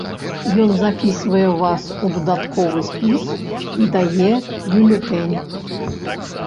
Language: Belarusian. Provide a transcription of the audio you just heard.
Ён запісвае вас у дадатковы спіс і дае бюлетэнь.